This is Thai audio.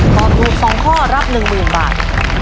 ตอบถูกสองข้อรับหนึ่งหมื่นบาท